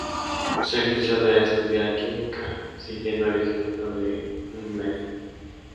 Su ilusión era estudiar Química, siguiendo el ejemplo de Mme.